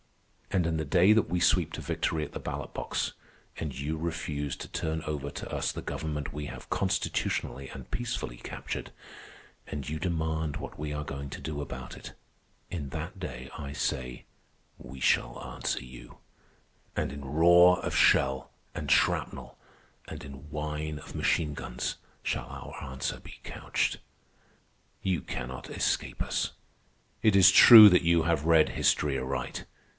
And in the day that we sweep to victory at the ballot box, and you refuse to turn over to us the government we have constitutionally and peacefully captured, and you demand what we are going to do about it—in that day, I say, we shall answer you; and in roar of shell and shrapnel and in whine of machine guns shall our answer be couched. "You cannot escape us. It is true that you have read history aright.